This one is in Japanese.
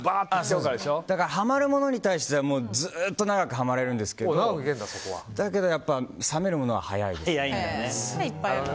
ハマるものに対してはずっと長くハマれるんですけどだけど冷めるものは早いです。